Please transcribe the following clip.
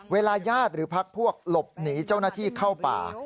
ญาติหรือพักพวกหลบหนีเจ้าหน้าที่เข้าป่า